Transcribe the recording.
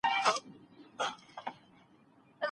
زه ولي بايد د ړندو خلګو سره کومک و نه کړم.